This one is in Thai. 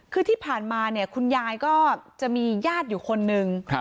คือที่ผ่านมาเนี่ยคุณยายก็จะมีญาติอยู่คนนึง